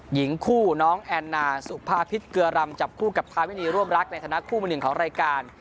หญิงคู่น้องแอนนาสุภาพิษเกลือรำจับคู่กับทาวินีร่วมรักในฐานะคู่มือหนึ่งของรายการ